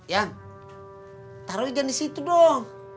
ya taruh aja di situ dong